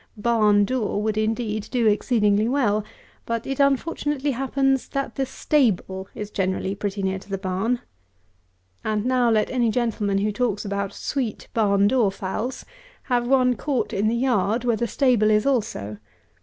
Barn door would, indeed, do exceedingly well; but it unfortunately happens that the stable is generally pretty near to the barn. And now let any gentleman who talks about sweet barn door fowls, have one caught in the yard, where the stable is also.